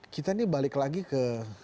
kita ini balik lagi ke